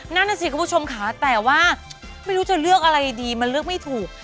นั่นน่ะสิคุณผู้ชมค่ะแต่ว่าไม่รู้จะเลือกอะไรดีมันเลือกไม่ถูก